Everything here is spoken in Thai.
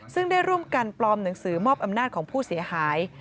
ซึ่งได้ร่วมกันปลอมหนังสือมอบอำนาจของผู้เสียหาย